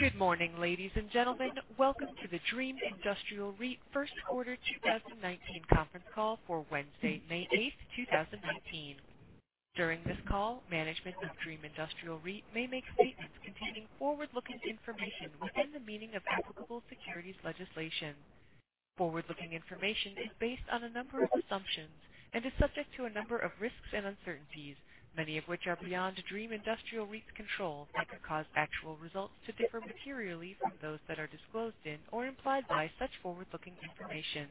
Good morning, ladies and gentlemen. Welcome to the Dream Industrial REIT First Quarter 2019 Conference Call for Wednesday, May 8th, 2019. During this call, management of Dream Industrial REIT may make statements containing forward-looking information within the meaning of applicable securities legislation. Forward-looking information is based on a number of assumptions and is subject to a number of risks and uncertainties, many of which are beyond Dream Industrial REIT's control, and could cause actual results to differ materially from those that are disclosed in or implied by such forward-looking information.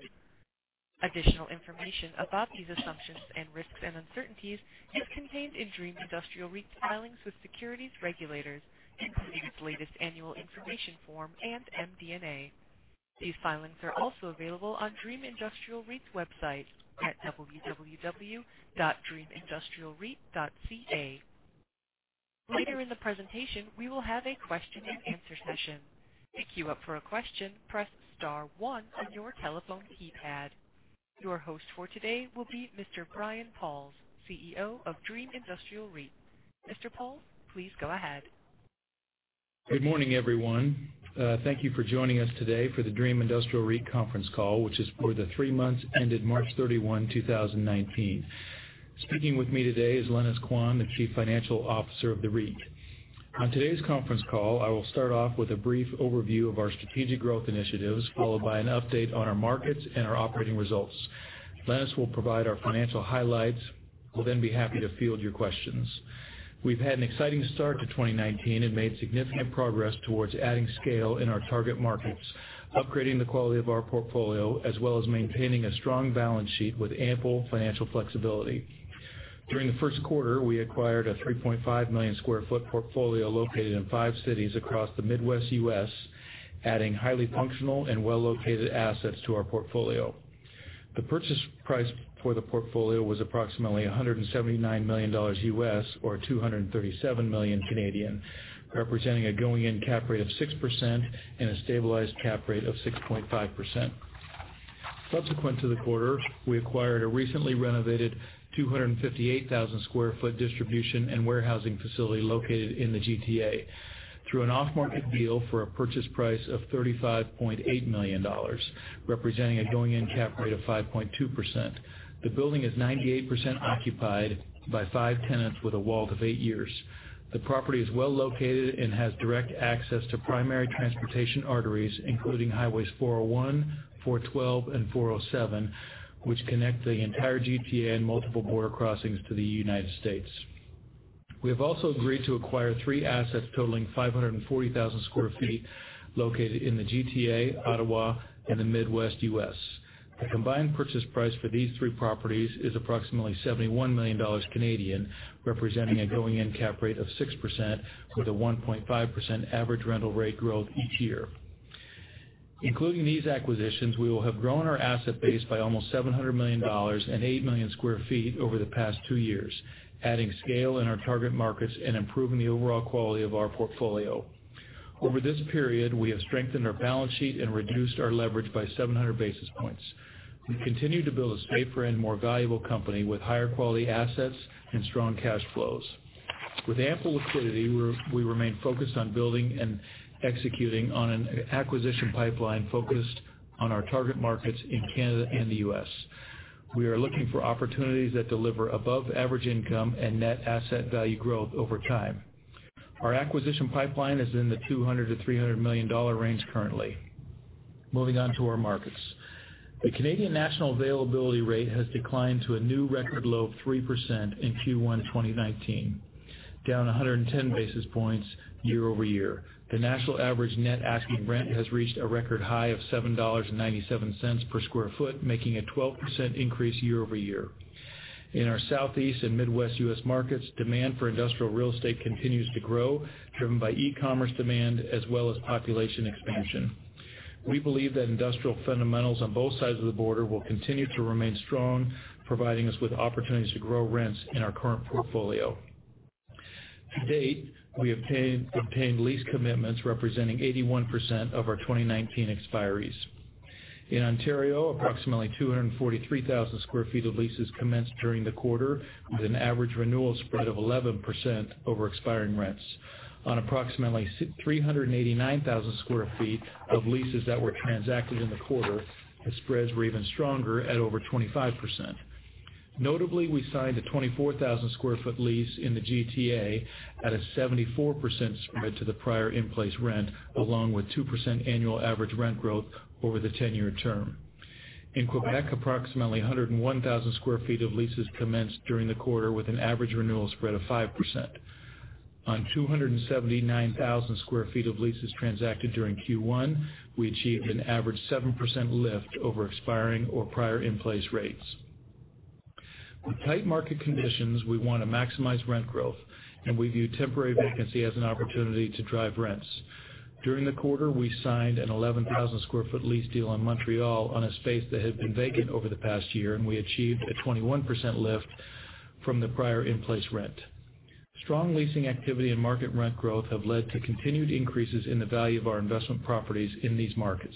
Additional information about these assumptions and risks and uncertainties is contained in Dream Industrial REIT's filings with securities regulators, including its latest annual information form and MD&A. These filings are also available on Dream Industrial REIT's website at www.dreamindustrialreit.ca. Later in the presentation, we will have a question and answer session. To queue up for a question, press star one on your telephone keypad. Your host for today will be Mr. Brian Pauls, CEO of Dream Industrial REIT. Mr. Pauls, please go ahead. Good morning, everyone. Thank you for joining us today for the Dream Industrial REIT conference call, which is for the three months ended March 31, 2019. Speaking with me today is Lenis Quan, the Chief Financial Officer of the REIT. On today's conference call, I will start off with a brief overview of our strategic growth initiatives, followed by an update on our markets and our operating results. Lenis will provide our financial highlights. We'll be happy to field your questions. We've had an exciting start to 2019 and made significant progress towards adding scale in our target markets, upgrading the quality of our portfolio, as well as maintaining a strong balance sheet with ample financial flexibility. During the first quarter, we acquired a 3.5-million-sq ft portfolio located in five cities across the Midwest U.S., adding highly functional and well-located assets to our portfolio. The purchase price for the portfolio was approximately $179 million U.S., or 237 million Canadian dollars, representing a going-in cap rate of 6% and a stabilized cap rate of 6.5%. Subsequent to the quarter, we acquired a recently renovated 258,000 sq ft distribution and warehousing facility located in the GTA through an off-market deal for a purchase price of 35.8 million dollars, representing a going-in cap rate of 5.2%. The building is 98% occupied by five tenants with a WALT of eight years. The property is well-located and has direct access to primary transportation arteries, including Highways 401, 412, and 407, which connect the entire GTA, multiple border crossings to the U.S. We have also agreed to acquire three assets totaling 540,000 sq ft located in the GTA, Ottawa, and the Midwest U.S. The combined purchase price for these three properties is approximately 71 million Canadian dollars, representing a going-in cap rate of 6% with a 1.5% average rental rate growth each year. Including these acquisitions, we will have grown our asset base by almost 700 million dollars and 8 million square feet over the past two years, adding scale in our target markets and improving the overall quality of our portfolio. Over this period, we have strengthened our balance sheet and reduced our leverage by 700 basis points. We continue to build a safer and more valuable company with higher quality assets and strong cash flows. With ample liquidity, we remain focused on building and executing on an acquisition pipeline focused on our target markets in Canada and the U.S. We are looking for opportunities that deliver above-average income and net asset value growth over time. Our acquisition pipeline is in the 200 million-300 million dollar range currently. Moving on to our markets. The Canadian national availability rate has declined to a new record low of 3% in Q1 2019, down 110 basis points year-over-year. The national average net asking rent has reached a record high of 7.97 dollars per square foot, making a 12% increase year-over-year. In our Southeast and Midwest U.S. markets, demand for industrial real estate continues to grow, driven by e-commerce demand as well as population expansion. We believe that industrial fundamentals on both sides of the border will continue to remain strong, providing us with opportunities to grow rents in our current portfolio. To date, we obtained lease commitments representing 81% of our 2019 expiries. In Ontario, approximately 243,000 square feet of leases commenced during the quarter with an average renewal spread of 11% over expiring rents. On approximately 389,000 square feet of leases that were transacted in the quarter, the spreads were even stronger at over 25%. Notably, we signed a 24,000 square foot lease in the GTA at a 74% spread to the prior in-place rent, along with 2% annual average rent growth over the 10-year term. In Quebec, approximately 101,000 square feet of leases commenced during the quarter with an average renewal spread of 5%. On 279,000 square feet of leases transacted during Q1, we achieved an average 7% lift over expiring or prior in-place rates. With tight market conditions, we want to maximize rent growth, and we view temporary vacancy as an opportunity to drive rents. During the quarter, we signed an 11,000 square foot lease deal on Montreal on a space that had been vacant over the past year, and we achieved a 21% lift from the prior in-place rent. Strong leasing activity and market rent growth have led to continued increases in the value of our investment properties in these markets.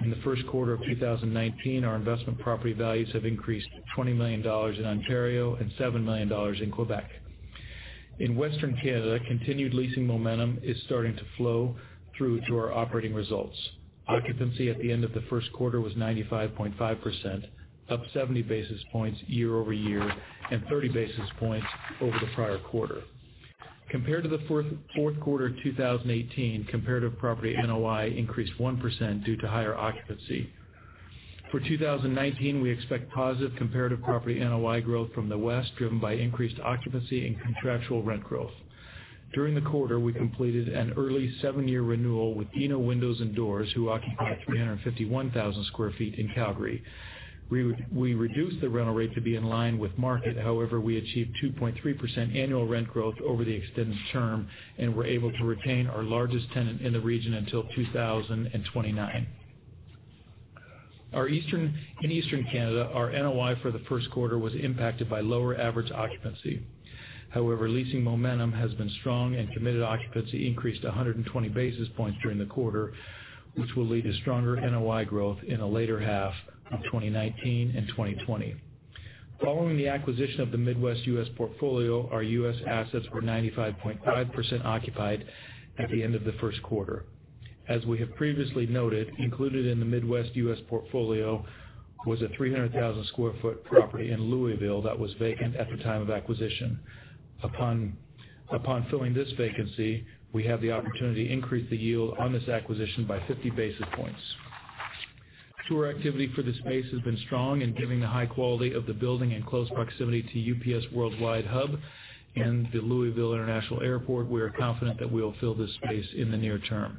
In the first quarter of 2019, our investment property values have increased 20 million dollars in Ontario and 7 million dollars in Quebec. In Western Canada, continued leasing momentum is starting to flow through to our operating results. Occupancy at the end of the first quarter was 95.5%, up 70 basis points year-over-year and 30 basis points over the prior quarter. Compared to the fourth quarter 2018, comparative property NOI increased 1% due to higher occupancy. For 2019, we expect positive comparative property NOI growth from the West, driven by increased occupancy and contractual rent growth. During the quarter, we completed an early seven-year renewal with Gienow Windows & Doors, who occupy 351,000 square feet in Calgary. We reduced the rental rate to be in line with market. However, we achieved 2.3% annual rent growth over the extended term and were able to retain our largest tenant in the region until 2029. In Eastern Canada, our NOI for the first quarter was impacted by lower average occupancy. However, leasing momentum has been strong, and committed occupancy increased 120 basis points during the quarter, which will lead to stronger NOI growth in the later half of 2019 and 2020. Following the acquisition of the Midwest U.S. portfolio, our U.S. assets were 95.5% occupied at the end of the first quarter. As we have previously noted, included in the Midwest U.S. portfolio was a 300,000 sq ft property in Louisville that was vacant at the time of acquisition. Upon filling this vacancy, we have the opportunity to increase the yield on this acquisition by 50 basis points. Tour activity for the space has been strong, and given the high quality of the building and close proximity to UPS Worldport hub and the Louisville International Airport, we are confident that we'll fill this space in the near term.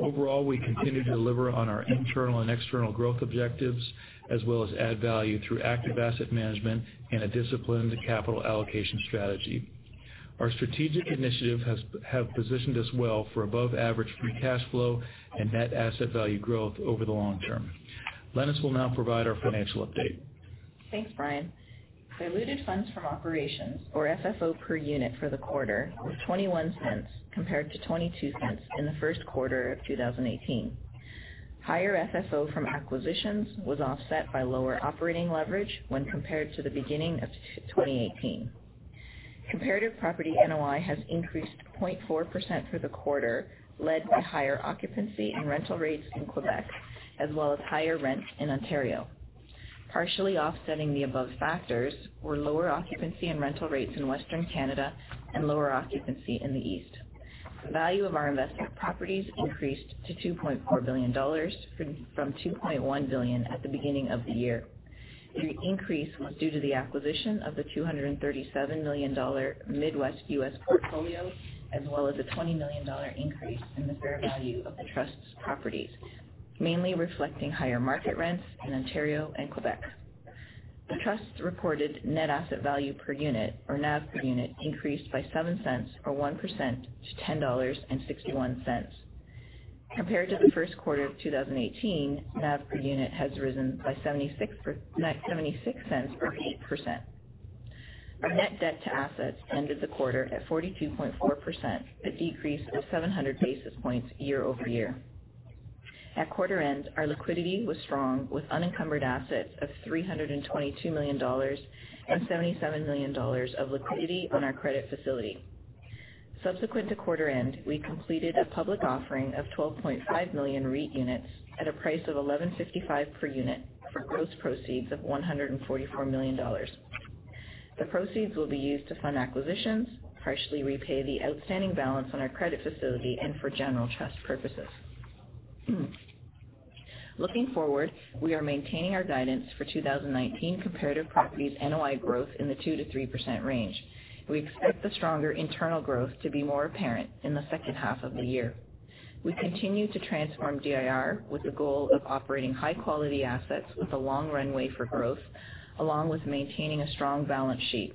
Overall, we continue to deliver on our internal and external growth objectives, as well as add value through active asset management and a disciplined capital allocation strategy. Our strategic initiative have positioned us well for above average free cash flow and net asset value growth over the long term. Lenis will now provide our financial update. Thanks, Brian. Diluted funds from operations, or FFO per unit for the quarter was 0.21 compared to 0.22 in the first quarter of 2018. Higher FFO from acquisitions was offset by lower operating leverage when compared to the beginning of 2018. Comparative property NOI has increased 0.4% for the quarter, led by higher occupancy and rental rates in Quebec, as well as higher rents in Ontario. Partially offsetting the above factors were lower occupancy and rental rates in Western Canada and lower occupancy in the East. The value of our investment properties increased to 2.4 billion dollars from 2.1 billion at the beginning of the year. The increase was due to the acquisition of the $237 million Midwest U.S. portfolio, as well as a 20 million dollar increase in the fair value of the trust's properties, mainly reflecting higher market rents in Ontario and Quebec. The trust reported net asset value per unit, or NAV per unit, increased by 0.07 or 1% to 10.61 dollars. Compared to the first quarter of 2018, NAV per unit has risen by 0.76 or 8%. Our net debt to assets ended the quarter at 42.4%, a decrease of 700 basis points year-over-year. At quarter end, our liquidity was strong with unencumbered assets of 322 million dollars and 77 million dollars of liquidity on our credit facility. Subsequent to quarter end, we completed a public offering of 12.5 million REIT units at a price of 11.55 per unit for gross proceeds of 144 million dollars. The proceeds will be used to fund acquisitions, partially repay the outstanding balance on our credit facility, and for general trust purposes. Looking forward, we are maintaining our guidance for 2019 comparative properties NOI growth in the 2%-3% range. We expect the stronger internal growth to be more apparent in the second half of the year. We continue to transform DIR with the goal of operating high-quality assets with a long runway for growth, along with maintaining a strong balance sheet.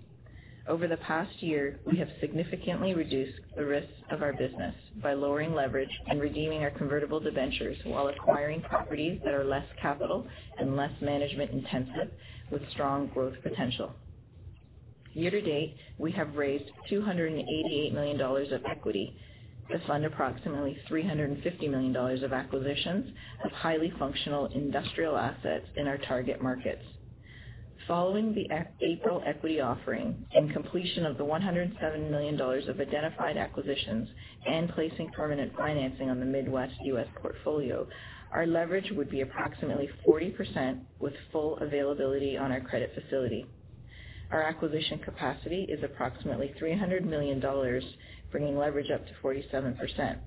Over the past year, we have significantly reduced the risks of our business by lowering leverage and redeeming our convertible debentures while acquiring properties that are less capital and less management intensive with strong growth potential. Year to date, we have raised 288 million dollars of equity to fund approximately 350 million dollars of acquisitions of highly functional industrial assets in our target markets. Following the April equity offering and completion of the 107 million dollars of identified acquisitions and placing permanent financing on the Midwest U.S. portfolio, our leverage would be approximately 40% with full availability on our credit facility. Our acquisition capacity is approximately 300 million dollars, bringing leverage up to 47%.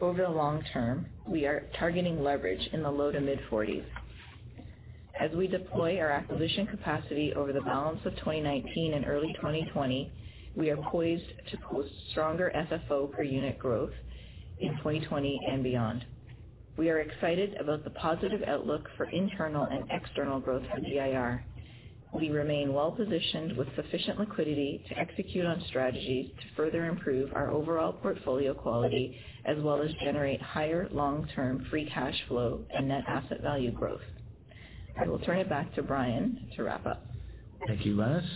Over the long term, we are targeting leverage in the low to mid-40s. As we deploy our acquisition capacity over the balance of 2019 and early 2020, we are poised to post stronger FFO per unit growth in 2020 and beyond. We are excited about the positive outlook for internal and external growth for DIR. We remain well-positioned with sufficient liquidity to execute on strategies to further improve our overall portfolio quality, as well as generate higher long-term free cash flow and net asset value growth. I will turn it back to Brian to wrap up. Thank you, Lenis.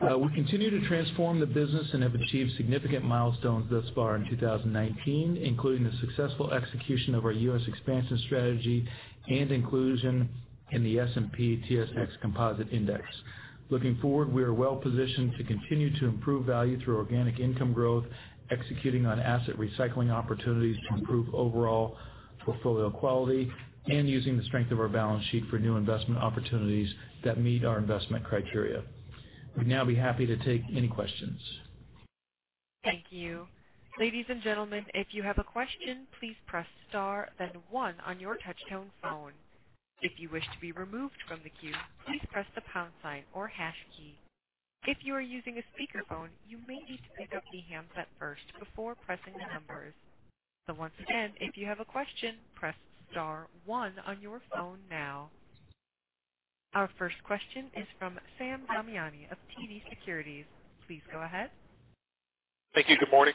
We continue to transform the business and have achieved significant milestones thus far in 2019, including the successful execution of our U.S. expansion strategy and inclusion in the S&P/TSX Composite Index. Looking forward, we are well-positioned to continue to improve value through organic income growth, executing on asset recycling opportunities to improve overall portfolio quality, and using the strength of our balance sheet for new investment opportunities that meet our investment criteria. We'd now be happy to take any questions. Thank you. Ladies and gentlemen, if you have a question, please press star one on your touchtone phone. If you wish to be removed from the queue, please press the pound sign or hash key. If you are using a speakerphone, you may need to pick up the handset first before pressing the numbers. Once again, if you have a question, press star one on your phone now. Our first question is from Sam Damiani of TD Securities. Please go ahead. Thank you. Good morning.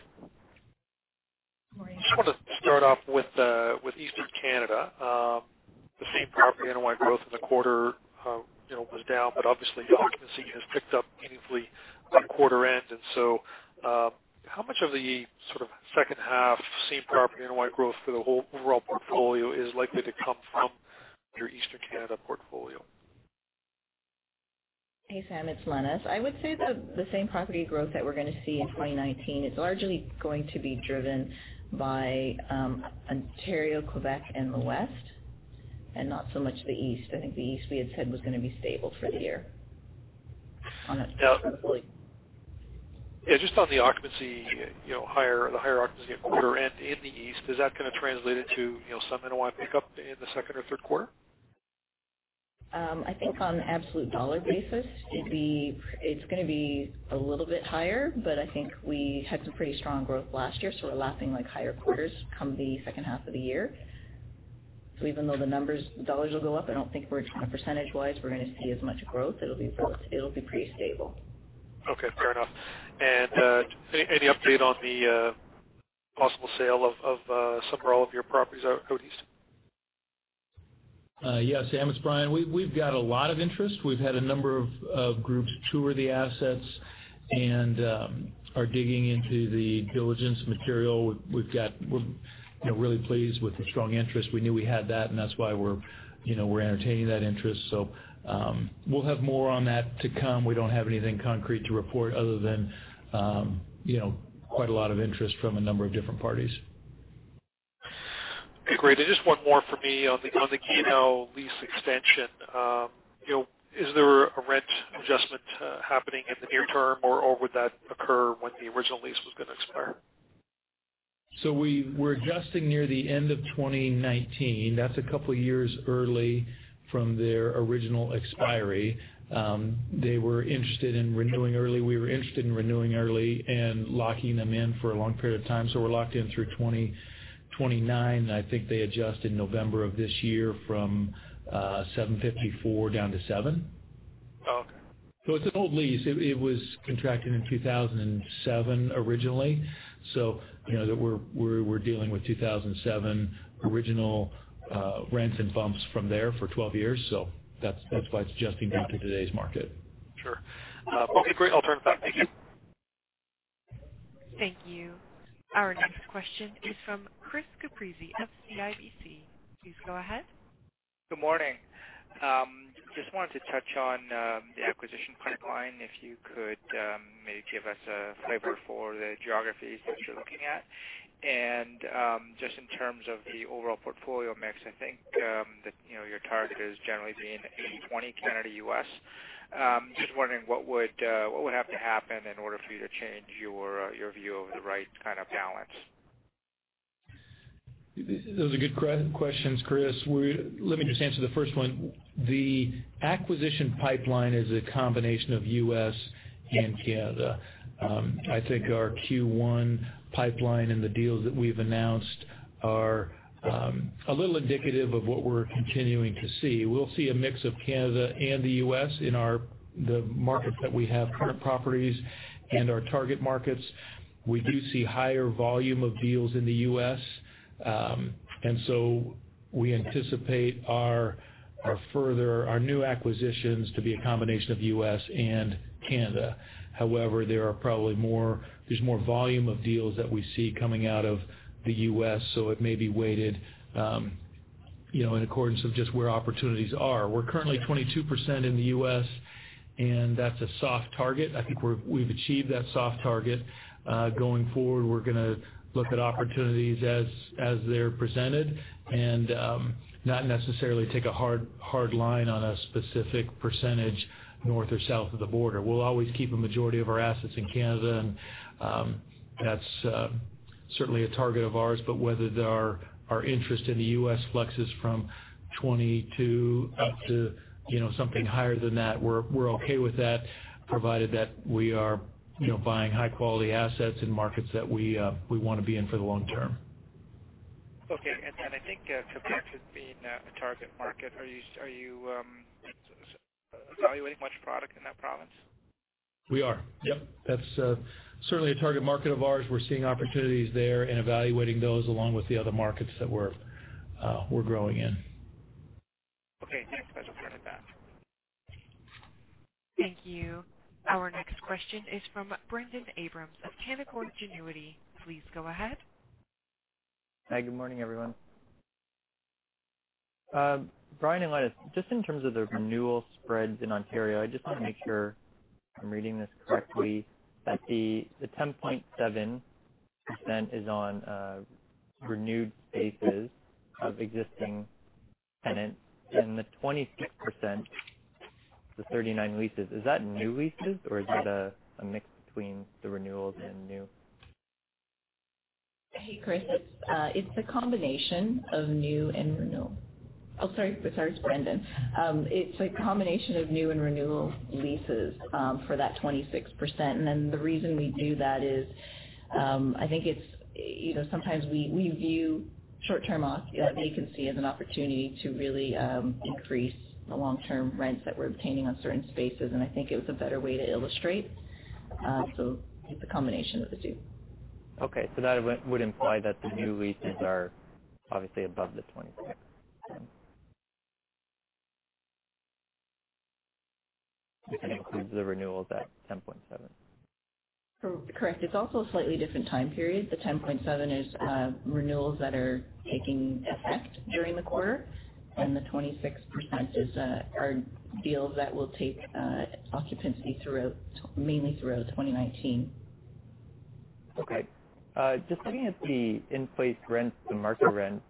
Morning. just wanted to start off with Eastern Canada. The same property NOI growth in the quarter was down, obviously occupancy has picked up meaningfully on quarter end, how much of the sort of second half same property NOI growth for the whole overall portfolio is likely to come from your Eastern Canada portfolio? Hey, Sam. It's Lenis. I would say that the same property growth that we're going to see in 2019 is largely going to be driven by Ontario, Quebec, and the West, and not so much the East. I think the East, we had said, was going to be stable for the year on a percentage fully. Yeah. Just on the higher occupancy at quarter end in the East, is that going to translate into some NOI pickup in the second or third quarter? I think on an absolute dollar basis, it's going to be a little bit higher, I think we had some pretty strong growth last year, we're lapping higher quarters come the second half of the year. Even though the dollars will go up, I don't think percentage-wise, we're going to see as much growth. It'll be pretty stable. Okay. Fair enough. Any update on the possible sale of some or all of your properties out east? Yeah. Sam, it's Brian. We've got a lot of interest. We've had a number of groups tour the assets and are digging into the diligence material. We're really pleased with the strong interest. We knew we had that's why we're entertaining that interest. We'll have more on that to come. We don't have anything concrete to report other than quite a lot of interest from a number of different parties. Okay, great. Just one more from me on the [Keyano] lease extension. Is there a rent adjustment happening in the near term, or would that occur when the original lease was going to expire? We're adjusting near the end of 2019. That's a couple of years early from their original expiry. They were interested in renewing early. We were interested in renewing early and locking them in for a long period of time. We're locked in through 2029. I think they adjust in November of this year from 7.54 down to 7.00. Oh, okay. It's an old lease. It was contracted in 2007 originally. We're dealing with 2007 original rents and bumps from there for 12 years. That's why it's adjusting down to today's market. Sure. Okay, great. I'll turn it back. Thank you. Thank you. Our next question is from Chris Couprie of CIBC. Please go ahead. Good morning. Just wanted to touch on the acquisition pipeline, if you could maybe give us a flavor for the geographies that you're looking at. Just in terms of the overall portfolio mix, I think that your target is generally being 80/20 Canada/U.S. Just wondering what would have to happen in order for you to change your view of the right kind of balance. Those are good questions, Chris. Let me just answer the first one. The acquisition pipeline is a combination of U.S. and Canada. I think our Q1 pipeline and the deals that we've announced are a little indicative of what we're continuing to see. We'll see a mix of Canada and the U.S. in the markets that we have current properties and our target markets. We do see higher volume of deals in the U.S. We anticipate our new acquisitions to be a combination of U.S. and Canada. However, there's more volume of deals that we see coming out of the U.S. it may be weighted in accordance of just where opportunities are. We're currently 22% in the U.S., and that's a soft target. I think we've achieved that soft target. Going forward, we're going to look at opportunities as they're presented and not necessarily take a hard line on a specific percentage north or south of the border. We'll always keep a majority of our assets in Canada, and that's certainly a target of ours, but whether our interest in the U.S. flexes from 20 to something higher than that, we're okay with that provided that we are buying high-quality assets in markets that we want to be in for the long term. Okay. I think Quebec has been a target market. Are you evaluating much product in that province? We are. Yep. That's certainly a target market of ours. We're seeing opportunities there and evaluating those along with the other markets that we're growing in. Okay. Thanks. I will turn it back. Thank you. Our next question is from Braden Abrams of Canaccord Genuity. Please go ahead. Hi, good morning, everyone. Brian and Lenis, just in terms of the renewal spreads in Ontario, I just want to make sure I'm reading this correctly, that the 10.7% is on a renewed basis of existing tenants, and the 26%, the 39 leases, is that new leases, or is it a mix between the renewals and new? Hey, Chris. It's a combination of new and renewal leases for that 26%. The reason we do that is, I think sometimes we view short-term vacancy as an opportunity to really increase the long-term rents that we're obtaining on certain spaces, and I think it was a better way to illustrate. It's a combination of the two. Okay. That would imply that the new leases are obviously above the 26%. Includes the renewals at 10.7%. Correct. It's also a slightly different time period. The 10.7 is renewals that are taking effect during the quarter, and the 26% are deals that will take occupancy mainly throughout 2019. Okay. Just looking at the in-place rents, the market rents,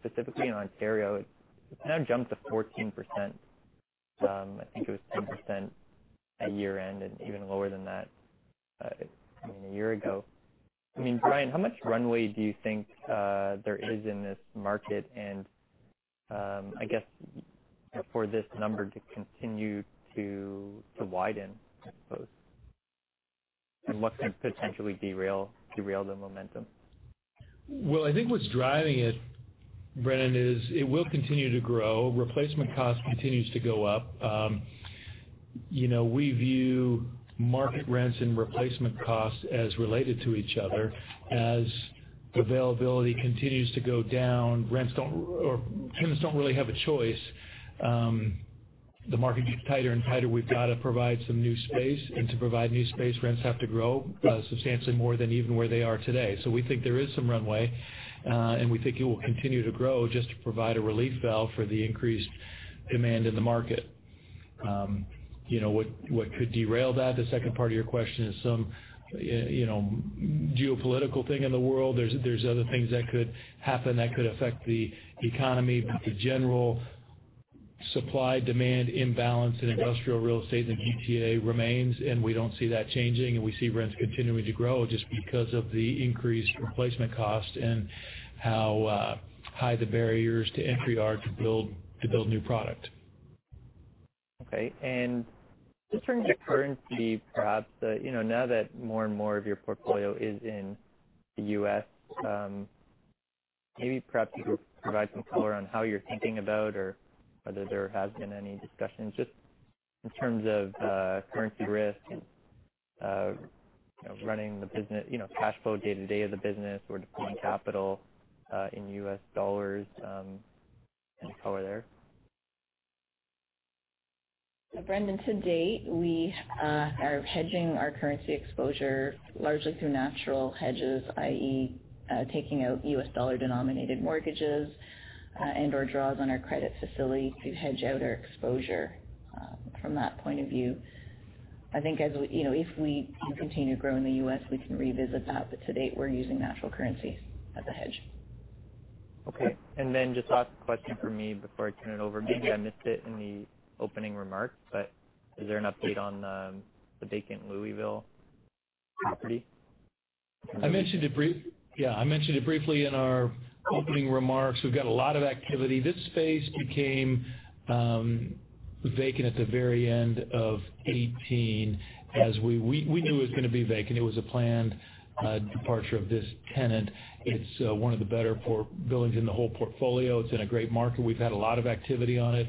specifically in Ontario, it's kind of jumped to 14%. I think it was 10% at year-end, and even lower than that a year ago. Brian, how much runway do you think there is in this market, and I guess, for this number to continue to widen, I suppose? What could potentially derail the momentum? Well, I think what's driving it, Braden, is it will continue to grow. Replacement cost continues to go up. We view market rents and replacement costs as related to each other. As availability continues to go down, tenants don't really have a choice. The market gets tighter and tighter. We've got to provide some new space, and to provide new space, rents have to grow substantially more than even where they are today. We think there is some runway, and we think it will continue to grow just to provide a relief valve for the increased demand in the market. What could derail that? The second part of your question is some geopolitical thing in the world. There's other things that could happen that could affect the economy, but the general supply-demand imbalance in industrial real estate in the GTA remains, and we don't see that changing, and we see rents continuing to grow just because of the increased replacement cost and how high the barriers to entry are to build new product. Okay. Just in terms of currency, perhaps, now that more and more of your portfolio is in the U.S., perhaps you could provide some color on how you're thinking about or whether there has been any discussions, just in terms of currency risk, cash flow day-to-day of the business or deploying capital in U.S. dollars. Any color there? Braden, to date, we are hedging our currency exposure largely through natural hedges, i.e., taking out U.S. dollar-denominated mortgages, and/or draws on our credit facility to hedge out our exposure from that point of view. If we can continue to grow in the U.S., we can revisit that. To date, we're using natural currency as a hedge. Okay. Just last question from me before I turn it over. Maybe I missed it in the opening remarks, is there an update on the vacant Louisville property? I mentioned it briefly in our opening remarks. We've got a lot of activity. This space became vacant at the very end of 2018. We knew it was going to be vacant. It was a planned departure of this tenant. It's one of the better buildings in the whole portfolio. It's in a great market. We've had a lot of activity on it.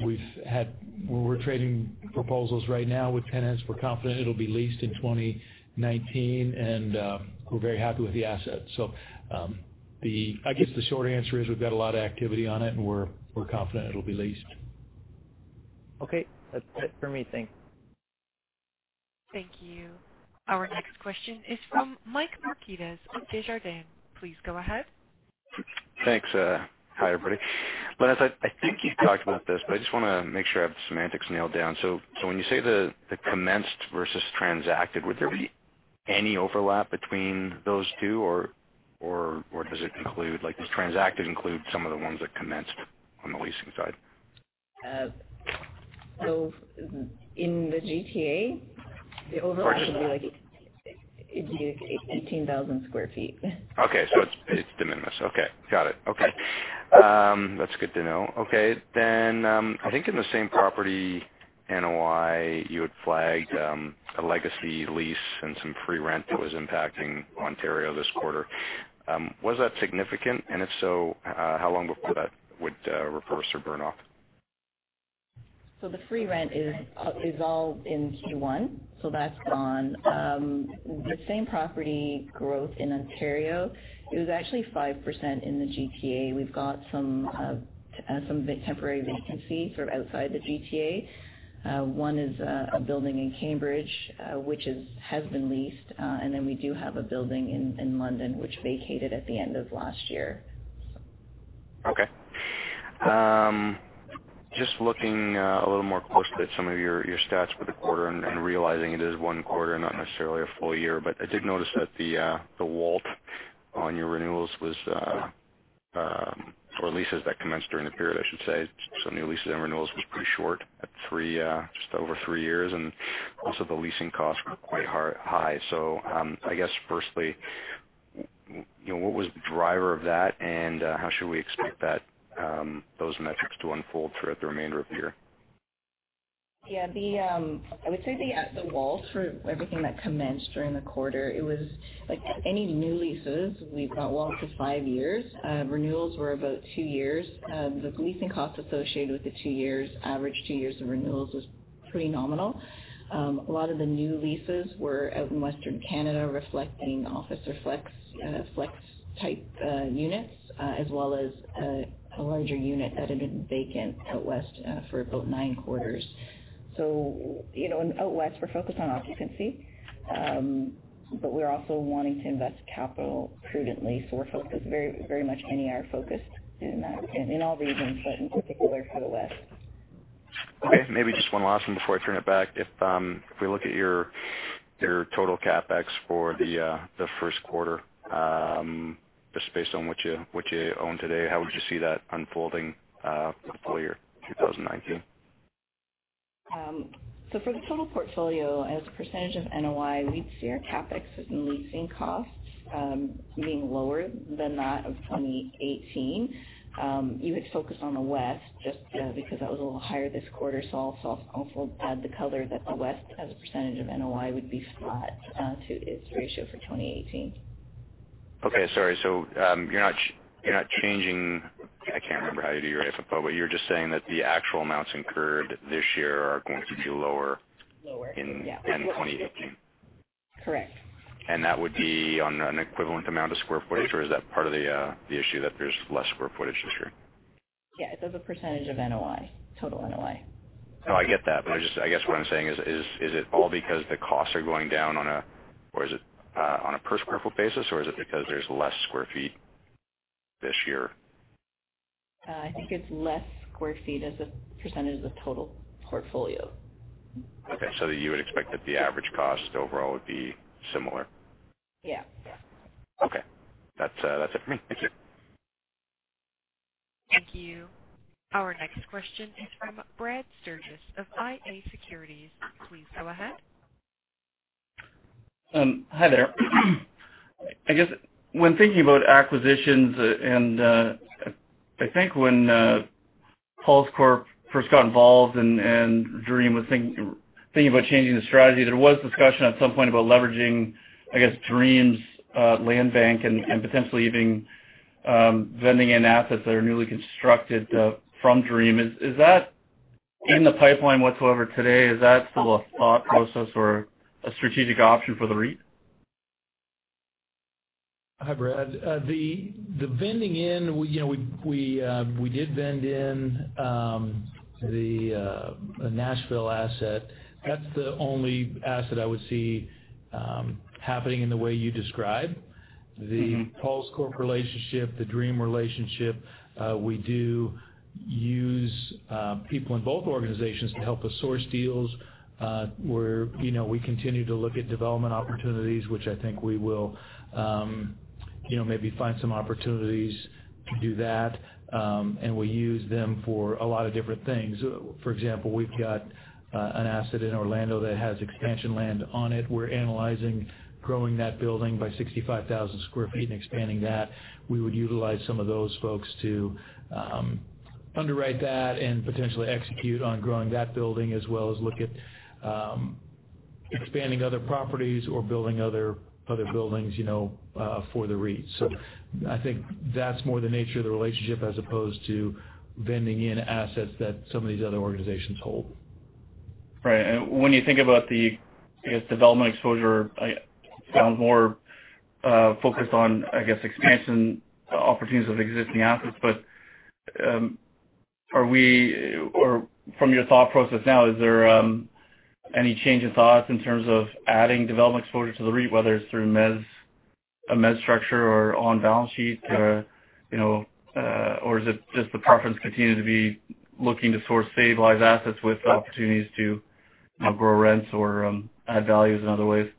We're trading proposals right now with tenants. We're confident it'll be leased in 2019. We're very happy with the asset. I guess the short answer is we've got a lot of activity on it, and we're confident it'll be leased. Okay. That's it for me. Thanks. Thank you. Our next question is from Mike Markidis of Desjardins. Please go ahead. Thanks. Hi, everybody. Lenis, I think you've talked about this, but I just want to make sure I have the semantics nailed down. When you say the commenced versus transacted, would there be any overlap between those two, or does it include, like, does transacted include some of the ones that commenced on the leasing side? In the GTA, the overlap would be like 18,000 square feet. So it's de minimis. Got it. That's good to know. I think in the same property NOI, you had flagged a legacy lease and some free rent that was impacting Ontario this quarter. Was that significant, and if so, how long before that would reverse or burn off? The free rent is all in Q1, that's gone. The same property growth in Ontario, it was actually 5% in the GTA. We've got some temporary vacancy sort of outside the GTA. One is a building in Cambridge, which has been leased. We do have a building in London, which vacated at the end of last year. Just looking a little more closely at some of your stats for the quarter and realizing it is one quarter, not necessarily a full year. I did notice that the WALT on your renewals was, or leases that commenced during the period, I should say, new leases and renewals was pretty short at just over three years, and also the leasing costs were quite high. I guess firstly, what was the driver of that and how should we expect those metrics to unfold throughout the remainder of the year? I would say the WALT for everything that commenced during the quarter, it was like any new leases, we've got WALTs of five years. Renewals were about two years. The leasing cost associated with the two years, average two years of renewals was pretty nominal. A lot of the new leases were out in Western Canada, reflecting office or flex type units, as well as a larger unit that had been vacant out west for about nine quarters. Out west, we're focused on occupancy. We're also wanting to invest capital prudently. We're focused very much NAR-focused in all regions, but in particular for the West. Okay, maybe just one last one before I turn it back. If we look at your total CapEx for the first quarter, just based on what you own today, how would you see that unfolding for full year 2019? For the total portfolio, as a percentage of NOI, we'd see our CapEx and leasing costs being lower than that of 2018. You had focused on the West just because that was a little higher this quarter. I'll also add the color that the West, as a percentage of NOI, would be flat to its ratio for 2018. Okay. Sorry. You're not changing, I can't remember how you do your FFO, but you're just saying that the actual amounts incurred this year are going to be lower. Lower, yeah. in 2015. Correct. That would be on an equivalent amount of square footage, or is that part of the issue that there's less square footage this year? Yeah. As a percentage of NOI, total NOI. No, I get that. I guess what I'm saying is it all because the costs are going down on a per square foot basis, or is it because there's less square feet this year? I think it's less square feet as a percentage of the total portfolio. Okay. You would expect that the average cost overall would be similar? Yeah. Okay. That's it for me. Thank you. Thank you. Our next question is from Brad Sturges of iA Securities. Please go ahead. Hi there. I guess when thinking about acquisitions, I think when Pulse Corp first got involved and Dream was thinking about changing the strategy, there was discussion at some point about leveraging, I guess, Dream's land bank and potentially even vending in assets that are newly constructed from Dream. Is that in the pipeline whatsoever today? Is that still a thought process or a strategic option for the REIT? Hi, Brad. The vending in, we did vend in the Nashville asset. That's the only asset I would see happening in the way you describe. The Pulse Corp relationship, the Dream relationship, we do use people in both organizations to help us source deals. We continue to look at development opportunities, which I think we will maybe find some opportunities to do that. We use them for a lot of different things. For example, we've got an asset in Orlando that has expansion land on it. We're analyzing growing that building by 65,000 sq ft and expanding that. We would utilize some of those folks to underwrite that and potentially execute on growing that building, as well as look at expanding other properties or building other buildings for the REIT. I think that's more the nature of the relationship as opposed to vending in assets that some of these other organizations hold. Right. When you think about the, I guess, development exposure, I sound more focused on, I guess, expansion opportunities of existing assets. From your thought process now, is there any change in thoughts in terms of adding development exposure to the REIT, whether it's through a mezz structure or on-balance sheet? Does the preference continue to be looking to source stabilized assets with opportunities to grow rents or add values in other ways?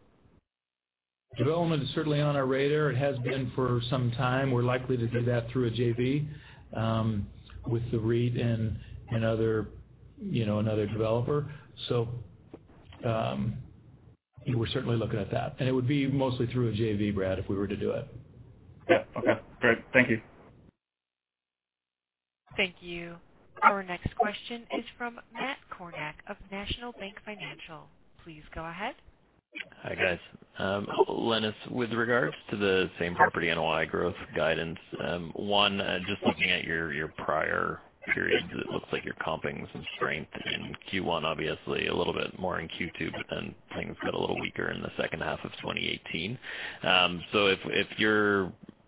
Development is certainly on our radar. It has been for some time. We are likely to do that through a JV with the REIT and another developer. We are certainly looking at that, and it would be mostly through a JV, Brad, if we were to do it. Yeah. Okay, great. Thank you. Thank you. Our next question is from Matt Kornack of National Bank Financial. Please go ahead. Hi guys. Lenis, with regards to the same property NOI growth guidance, one, just looking at your prior periods, it looks like your comping some strength in Q1, obviously a little bit more in Q2, but then things got a little weaker in the second half of 2018.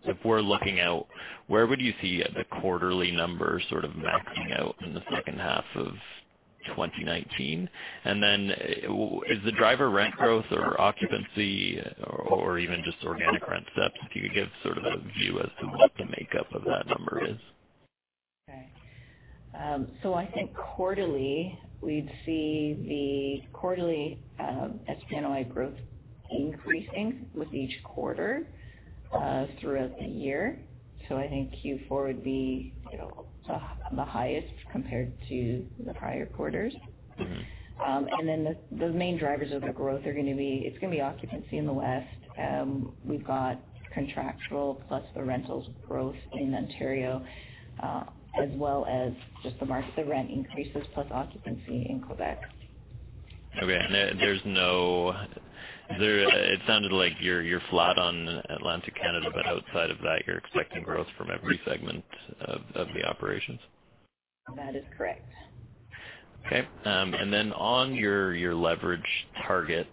If we are looking out, where would you see a quarterly number sort of maxing out in the second half of 2019? Is the driver rent growth or occupancy or even just organic rent steps? If you could give sort of a view as to what the makeup of that number is. Okay. I think quarterly, we'd see the quarterly NOI growth increasing with each quarter throughout the year. I think Q4 would be the highest compared to the prior quarters. The main drivers of the growth, it's going to be occupancy in the West. We've got contractual plus the rentals growth in Ontario, as well as just the rent increases plus occupancy in Quebec. Okay. It sounded like you're flat on Atlantic Canada, outside of that, you're expecting growth from every segment of the operations. That is correct. Okay. On your leverage target,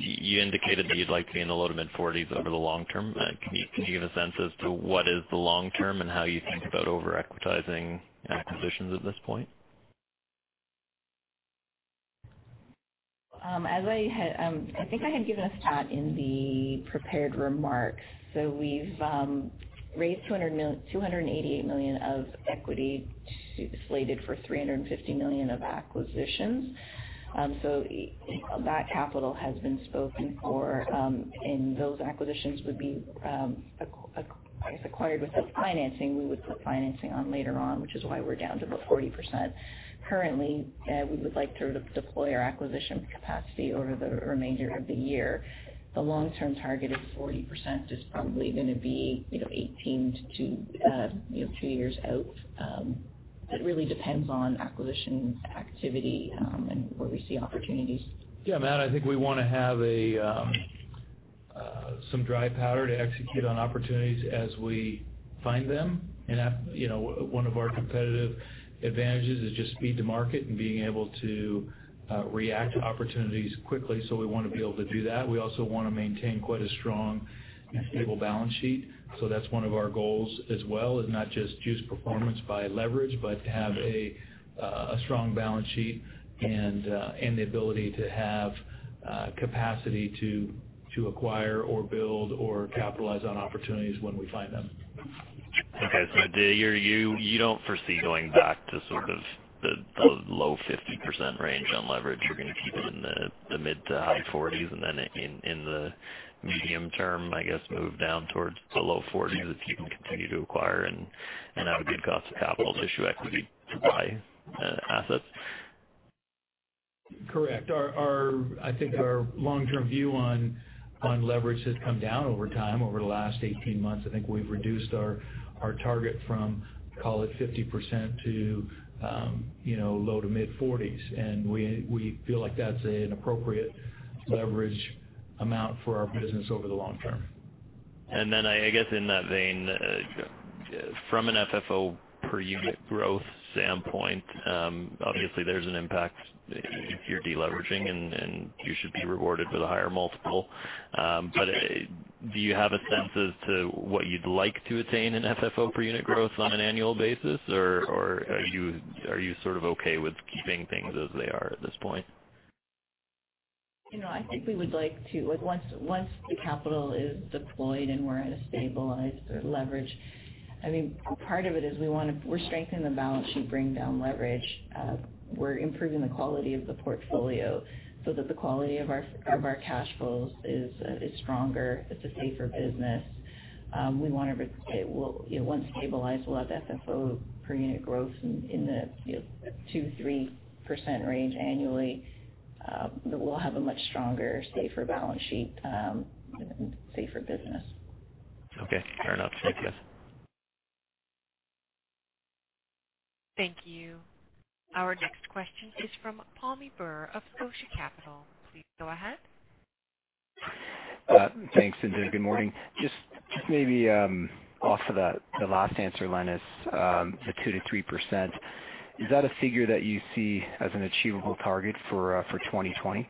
you indicated that you'd like to be in the low to mid-40s over the long term. Can you give a sense as to what is the long term and how you think about over-equitizing acquisitions at this point? I think I had given a stat in the prepared remarks. We've raised 288 million of equity slated for 350 million of acquisitions. That capital has been spoken for, and those acquisitions would be, I guess, acquired without financing. We would put financing on later on, which is why we're down to the 40% currently. We would like to deploy our acquisition capacity over the remainder of the year. The long-term target of 40% is probably going to be 18 to two years out. It really depends on acquisition activity and where we see opportunities. Yeah, Matt, I think we want to have some dry powder to execute on opportunities as we find them. One of our competitive advantages is just speed to market and being able to react to opportunities quickly. We want to be able to do that. We also want to maintain quite a strong and stable balance sheet, that's one of our goals as well, is not just juice performance by leverage, but to have a strong balance sheet and the ability to have capacity to acquire or build or capitalize on opportunities when we find them. Okay. You don't foresee going back to sort of the low 50% range on leverage. You're going to keep it in the mid to high 40s in the medium term, I guess, move down towards the low 40s if you can continue to acquire and have a good cost of capital to issue equity to buy assets. Correct. I think our long-term view on leverage has come down over time. Over the last 18 months, I think we've reduced our target from, call it 50% to low to mid-40s, and we feel like that's an appropriate leverage amount for our business over the long term. I guess in that vein, from an FFO per unit growth standpoint, obviously there's an impact if you're de-leveraging and you should be rewarded with a higher multiple. Do you have a sense as to what you'd like to attain in FFO per unit growth on an annual basis, or are you sort of okay with keeping things as they are at this point? I think we would like to. Once the capital is deployed and we're at a stabilized leverage. Part of it is we're strengthening the balance sheet, bringing down leverage. We're improving the quality of the portfolio so that the quality of our cash flows is stronger. It's a safer business. Once stabilized, we'll have FFO per unit growth in the 2%-3% range annually. We'll have a much stronger, safer balance sheet, and safer business. Okay. Fair enough. Thank you. Thank you. Our next question is from Pammi Bir of Scotia Capital. Please go ahead. Thanks, good morning. Just maybe off of the last answer, Lenis, the 2%-3%, is that a figure that you see as an achievable target for 2020?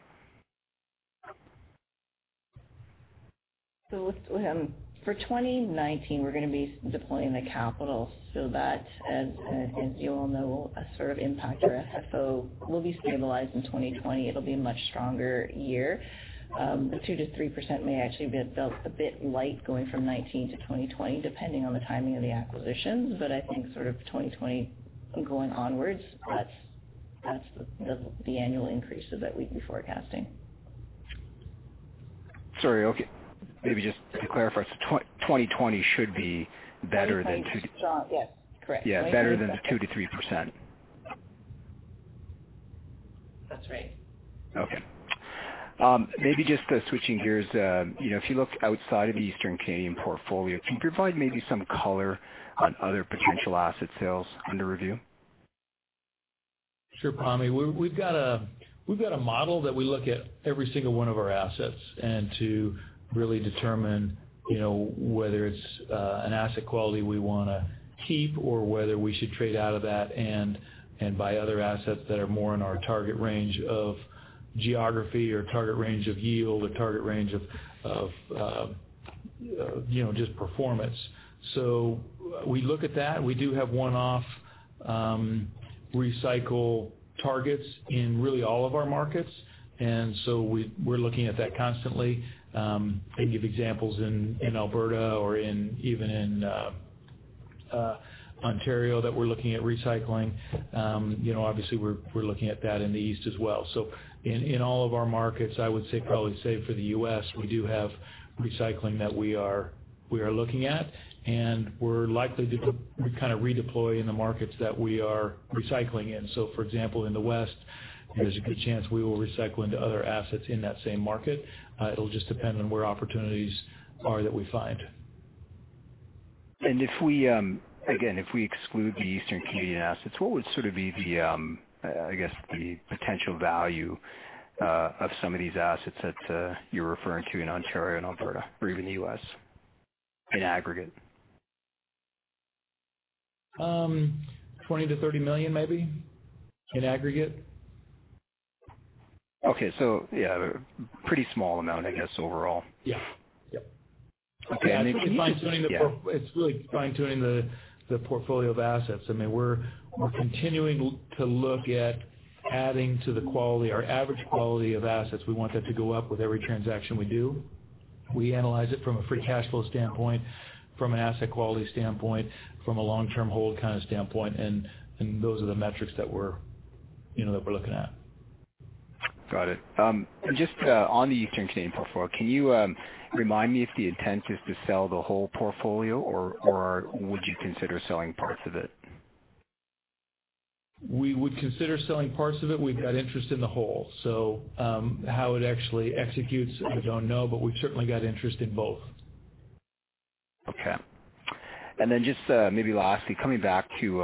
For 2019, we're going to be deploying the capital so that as, I think you all know, will sort of impact our FFO, will be stabilized in 2020. It'll be a much stronger year. 2%-3% may actually feel a bit light going from 2019-2020, depending on the timing of the acquisitions. I think sort of 2020 going onwards, that's the annual increases that we'd be forecasting. Sorry. Okay. Maybe just to clarify, 2020 should be better than? 2020. Yes, correct. Yeah, better than the 2%-3%. That's right. Okay. Maybe just switching gears, if you look outside of the Eastern Canadian portfolio, can you provide maybe some color on other potential asset sales under review? Sure, Pammi. We've got a model that we look at every single one of our assets, to really determine whether it's an asset quality we want to keep or whether we should trade out of that and buy other assets that are more in our target range of geography or target range of yield or target range of just performance. We look at that. We do have one-off recycle targets in really all of our markets. We're looking at that constantly. I can give examples in Alberta or even in Ontario that we're looking at recycling. Obviously, we're looking at that in the East as well. In all of our markets, I would say probably say for the U.S., we do have recycling that we are looking at, and we're likely to kind of redeploy in the markets that we are recycling in. For example, in the West, there's a good chance we will recycle into other assets in that same market. It'll just depend on where opportunities are that we find. Again, if we exclude the Eastern Canadian assets, what would sort of be, I guess, the potential value of some of these assets that you're referring to in Ontario and Alberta or even the U.S. in aggregate? CAD 20 million-CAD 30 million maybe in aggregate. Okay. Yeah, pretty small amount, I guess, overall. Yeah. Okay. It's really fine-tuning the portfolio of assets. We're continuing to look at adding to the quality, our average quality of assets. We want that to go up with every transaction we do. We analyze it from a free cash flow standpoint, from an asset quality standpoint, from a long-term hold kind of standpoint, and those are the metrics that we're looking at. Got it. Just on the Eastern Canadian portfolio, can you remind me if the intent is to sell the whole portfolio, or would you consider selling parts of it? We would consider selling parts of it. We've got interest in the whole. How it actually executes, I don't know, but we've certainly got interest in both. Okay. Just maybe lastly, coming back to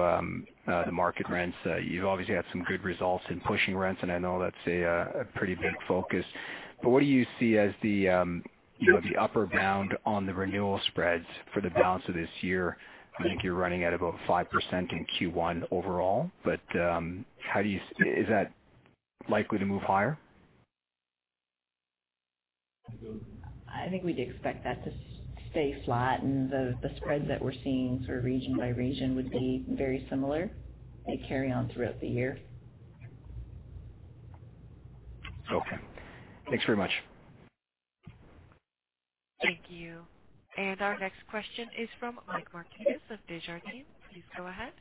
the market rents. You've obviously had some good results in pushing rents, I know that's a pretty big focus. What do you see as the upper bound on the renewal spreads for the balance of this year? I think you're running at about 5% in Q1 overall. Is that likely to move higher? I think we'd expect that to stay flat, and the spreads that we're seeing sort of region by region would be very similar. They carry on throughout the year. Okay. Thanks very much. Thank you. Our next question is from Mike Markidis of Desjardins. Please go ahead.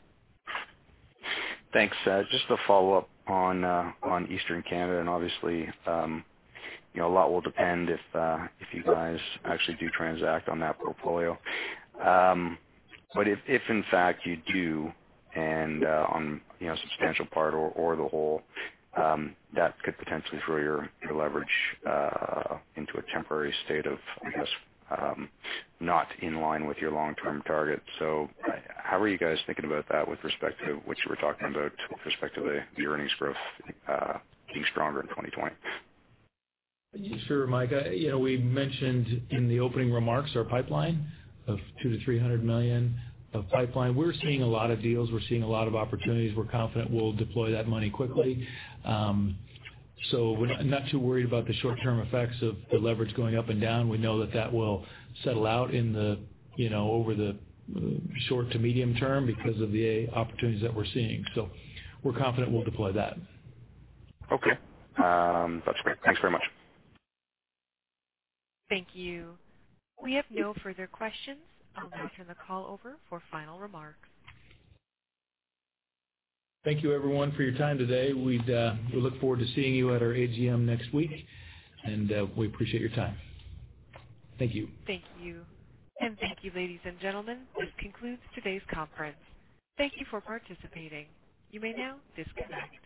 Thanks. Just a follow-up on Eastern Canada, obviously, a lot will depend if you guys actually do transact on that portfolio. If in fact you do and on substantial part or the whole, that could potentially throw your leverage into a temporary state of, I guess, not in line with your long-term target. How are you guys thinking about that with respect to what you were talking about with respect to the earnings growth being stronger in 2020? Sure, Mike. We mentioned in the opening remarks our pipeline of 200 million to 300 million of pipeline. We are seeing a lot of deals. We are seeing a lot of opportunities. We are confident we will deploy that money quickly. We are not too worried about the short-term effects of the leverage going up and down. We know that that will settle out over the short to medium-term because of the opportunities that we are seeing. We are confident we will deploy that. Okay. That is great. Thanks very much. Thank you. We have no further questions. I'll now turn the call over for final remarks. Thank you everyone for your time today. We look forward to seeing you at our AGM next week, and we appreciate your time. Thank you. Thank you. Thank you, ladies and gentlemen. This concludes today's conference. Thank you for participating. You may now disconnect.